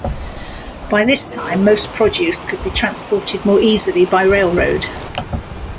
By this time most produce could be transported more easily by railroad.